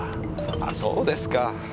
あぁそうですか。